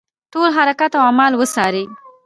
ټول حرکات او اعمال وڅاري.